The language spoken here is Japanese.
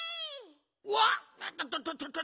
うわっ！とととと。